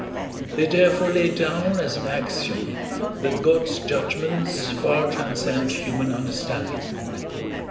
They therefore laid down as an axiom, that God's judgments far transcend human understanding.